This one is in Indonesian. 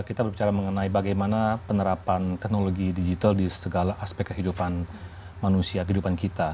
kita berbicara mengenai bagaimana penerapan teknologi digital di segala aspek kehidupan manusia kehidupan kita